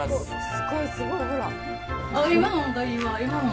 すごいすごいほら。